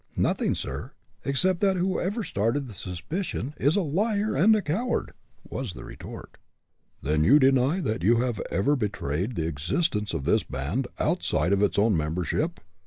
"Nothing, sir, except that whoever started the suspicion, is a liar and a coward!" was the retort. "Then, you deny that you have ever betrayed the existence of this band, outside of its own membership?"